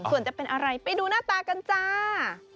ส่วนจะเป็นอะไรไปดูหน้าตากันจ้า